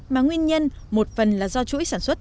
mà nguyên nhân một phần là do chuỗi sản xuất